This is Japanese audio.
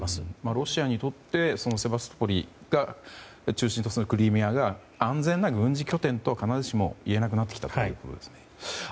ロシアにとってセバストポリが中心とするクリミアが安全な軍事拠点とは言えなくなってきたんですね。